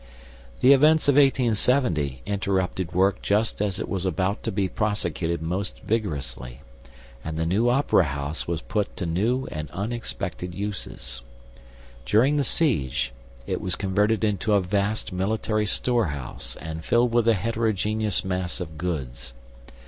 "The events of 1870 interrupted work just as it was about to be prosecuted most vigorously, and the new Opera House was put to new and unexpected uses. During the siege, it was converted into a vast military storehouse and filled with a heterogeneous mass of goods.